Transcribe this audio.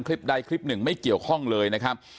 คลิปใดคลิปหนึ่งไม่เกี่ยวข้องเลยนะครับ